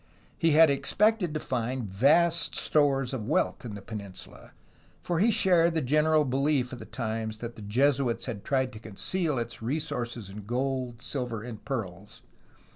He had expected to find vast stores of wealth in the peninsula, for he shared the general belief of the times that the Jesuits had tried to conceal its resources in gold, silver, and pearls.